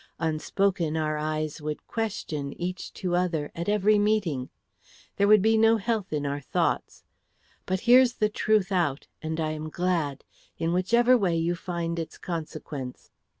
Unspoken our eyes would question, each to other, at every meeting; there would be no health in our thoughts. But here's the truth out, and I am glad in whichever way you find its consequence."